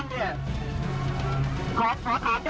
หมดความบ้างคาใจ